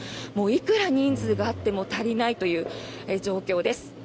いくら人数があっても足りないという状況です。